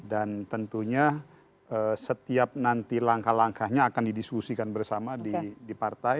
dan tentunya setiap nanti langkah langkahnya akan didiskusikan bersama di partai